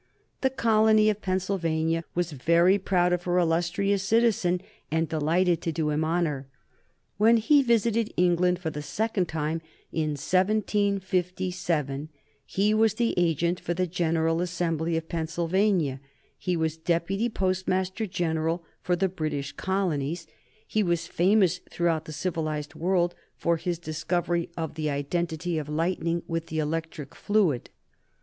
The colony of Pennsylvania was very proud of her illustrious citizen and delighted to do him honor. When he visited England for the second time, in 1757, he was the Agent for the General Assembly of Pennsylvania, he was Deputy Postmaster General for the British colonies, he was famous throughout the civilized world for his discovery of the identity of lightning with the electric fluid.